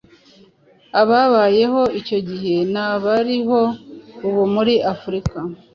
ababayeho icyo gihe n'abariho ubu muri Afurika,